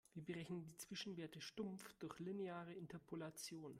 Wir berechnen die Zwischenwerte stumpf durch lineare Interpolation.